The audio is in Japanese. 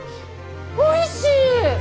おいしい！